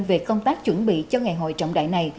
về công tác chuẩn bị cho ngày hội trọng đại này